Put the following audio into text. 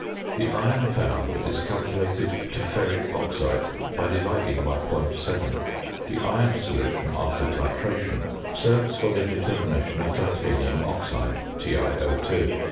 The iron found is calculated to ferric oxide by dividing by .7. The iron solution after titration serves for the determination of titanium oxide (TiO_).